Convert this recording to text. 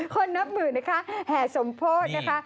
คนนับมือนะคะแห่สมโพธิ์นะคะ